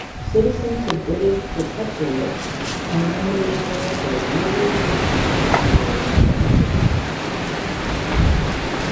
Citizens of British protectorates and mandated territories usually received honorary awards.